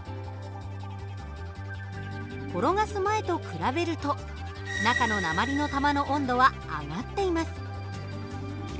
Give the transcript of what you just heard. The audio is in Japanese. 転がす前と比べると中の鉛の玉の温度は上がっています。